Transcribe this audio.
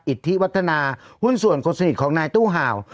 อิทธิวัฒนาหุ้นส่วนคนสนิทของนายตู้ห่าว